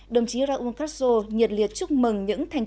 đồng chí raúl castro nhiệt liệt chúc mừng những thay đổi